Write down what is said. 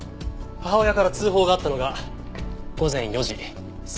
母親から通報があったのが午前４時３０分。